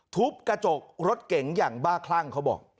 ทุบกระจกรถเก๋งอย่างบ้าคลั่งเขาบอก